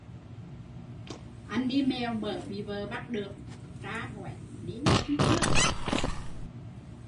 Anh đi mèo mỡ bị vợ bắt được, tra hỏi nên thân